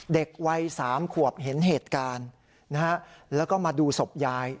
เด็กวัย๓ขวบเห็นเหตุการณ์นะฮะแล้วก็มาดูศพยาย